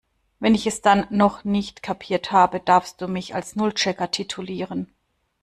Wenn ich es dann noch nicht kapiert habe, darfst du mich als Nullchecker titulieren.